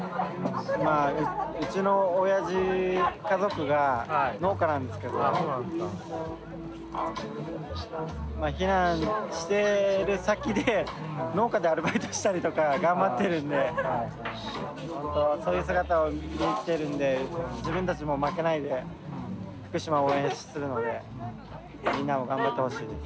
まあうちのおやじ家族が農家なんですけどまあ避難してる先で農家でアルバイトしたりとか頑張ってるんでそういう姿を見てるんで自分たちも負けないで福島を応援するのでみんなも頑張ってほしいです。